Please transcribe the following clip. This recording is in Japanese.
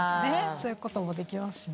そういう事もできますしね。